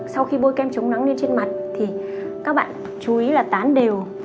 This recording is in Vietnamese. sau khi bôi kem chống nắng lên trên mặt thì các bạn chú ý là tán đều